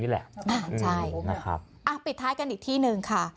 และปิดท้ายกันอีกที่นึงค่ะ